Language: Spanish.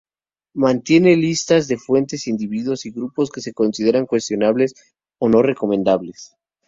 Mantiene listas de fuentes, individuos, y grupos que se consideran cuestionables o no recomendables.